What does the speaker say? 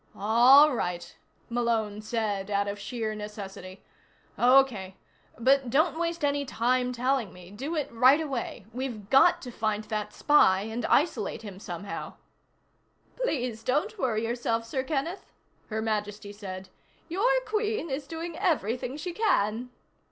"All right," Malone said, out of sheer necessity. "Okay. But don't waste any time telling me. Do it right away. We've got to find that spy and isolate him somehow." "Please don't worry yourself, Sir Kenneth," Her Majesty said. "Your Queen is doing everything she can."